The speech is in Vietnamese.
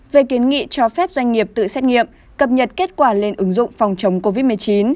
về kiến nghị cho phép doanh nghiệp tự xét nghiệm cập nhật kết quả lên ứng dụng phòng chống covid một mươi chín